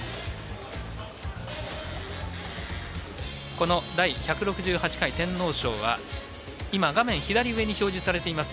この第１６８回天皇賞は今、画面左上に表示されています